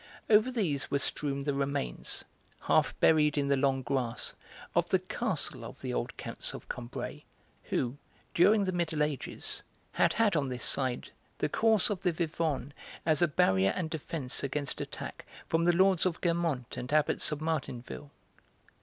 Over these were strewn the remains, half buried in the long grass, of the castle of the old Counts of Combray, who, during the Middle Ages, had had on this side the course of the Vivonne as a barrier and defence against attack from the Lords of Guermantes and Abbots of Martinville.